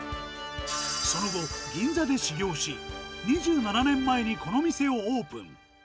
その後、銀座で修業し、２７年前にこの店をオープン。